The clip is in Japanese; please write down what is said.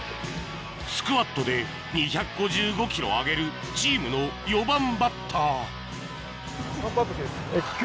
スクワットで２５５ｋｇ挙げるチームの４番バッター効く？